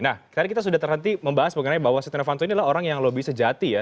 nah tadi kita sudah terhenti membahas mengenai bahwa setia novanto ini adalah orang yang lebih sejati ya